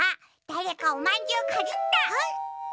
だれかおまんじゅうかじった！